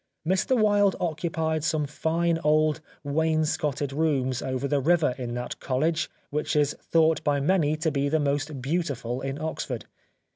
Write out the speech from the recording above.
Mr Wilde occupied some fine old wainscoted rooms over the river in that college which is thought by many to be the most beautiful in Oxford.